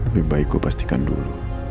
lebih baik kupastikan dulu